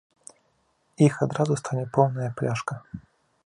Іх адразу стане поўная пляшка.